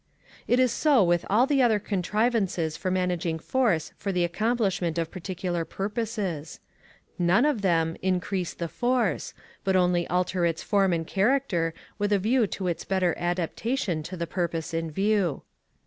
It is so with all the other contrivances for managing force for the accomplishment of particular purposes. None of them, increase the force, but only alter its form and character, with a view to its better adaptation to the purpose in view.